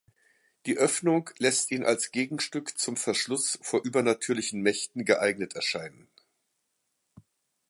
Die Öffnung lässt ihn als Gegenstück zum Verschluss vor übernatürlichen Mächten geeignet erscheinen.